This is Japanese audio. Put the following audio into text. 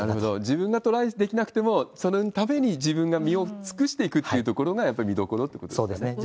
自分がトライできなくても、そのために自分が身を尽くしていくっていうことが、やっぱり見どころということですね。